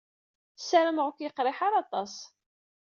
Ssarameɣ ur k-yeqriḥ ara aṭas.